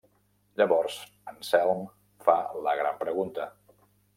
Llavors, Anselm fa la gran pregunta: